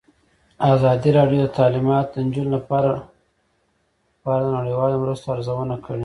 ازادي راډیو د تعلیمات د نجونو لپاره په اړه د نړیوالو مرستو ارزونه کړې.